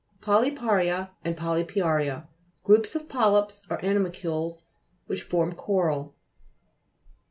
POLYPA'HIA, and POLTPIA'RIA Groups of polyps or animalcules which form coral.